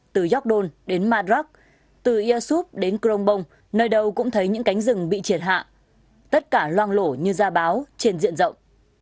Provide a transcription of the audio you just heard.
từ gióc đôn đến mà rắc từ ia súp đến crong bông nơi đầu cũng thấy những cánh rừng bị triệt hạ tất cả loang lổ như ra báo trên diện rộng